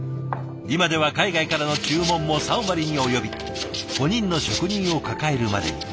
今では海外からの注文も３割に及び５人の職人を抱えるまでに。